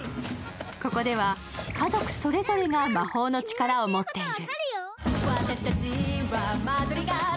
ここでは家族それぞれが魔法の力を持っている。